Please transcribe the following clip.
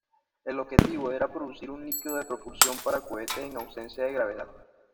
El objetivo era producir un líquido de propulsión para cohetes en ausencia de gravedad.